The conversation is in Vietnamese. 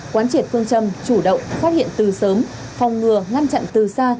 quán triệt phương châm chủ động phát hiện từ sớm phòng ngừa ngăn chặn từ xa